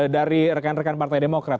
dari rekan rekan partai demokrat